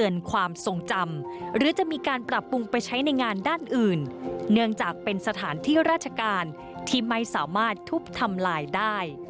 ความทรงจำหรือจะมีการปรับปรุงไปใช้ในงานด้านอื่นเนื่องจากเป็นสถานที่ราชการที่ไม่สามารถทุบทำลายได้